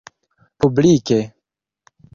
publike